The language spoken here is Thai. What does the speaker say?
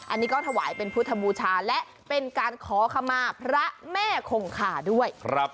อันนี้ก็ถวายเป็นพุทธบูชาและเป็นการขอขมาพระแม่คงคาด้วย